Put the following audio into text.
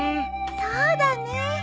そうだね。